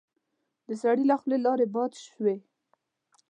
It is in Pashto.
د سړي له خولې لاړې باد شوې.